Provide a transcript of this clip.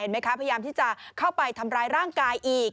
พยายามที่จะเข้าไปทำร้ายร่างกายอีก